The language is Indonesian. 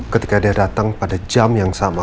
ketika dia datang pada jam yang sama